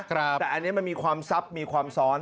แต่อันนี้มันมีความซับมีความซ้อน